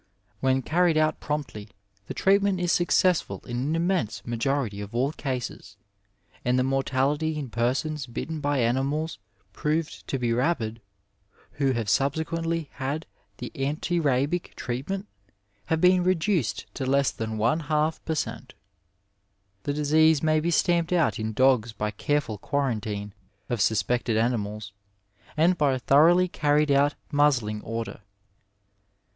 When carried out promptiy the treatment is successful in an immense 261 Digitized by VjOOQIC MEDICINE IN THE NINETEENTH CENTDRT majority of all cases, and the mortalitj in peiBons bitten by animals proved to be labid, who have subsequently had the anti rabic treatment, has been leduced to less than one hali per cent. The disease may be stamped out in dogs by careful quarantine of suspected animals and by a thoroughly carried out muzzling order.